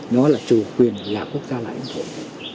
nó là chủ quyền là quốc gia là ảnh hưởng